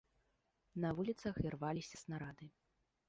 На вуліцах ірваліся снарады.